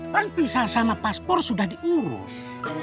kan pisah sama paspor sudah diurus